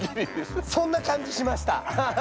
そんな感じしました。